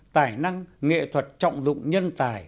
tài năng nghệ thuật trọng lụng nhân tài